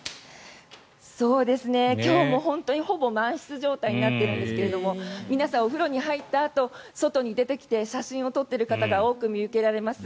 今日もほぼ満室状態になっているんですが皆さん、お風呂に入ったあと外に出てきて写真を撮っている方が多く見受けられます。